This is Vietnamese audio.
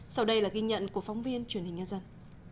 sau đây là ghi nhận của phóng viên truyền hình nhân dân